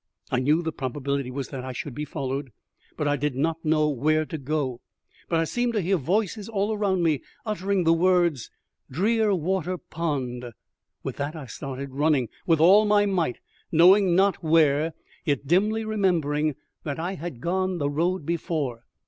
I knew the probability was that I should be followed, but I did not know where to go, when I seemed to hear voices all around me uttering the words "Drearwater Pond!" With that I started running with all my might, knowing not where, yet dimly remembering that I had gone the road before.